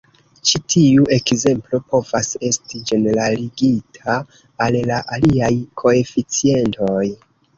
Ĉi tiu ekzemplo povas esti ĝeneraligita al la aliaj koeficientoj.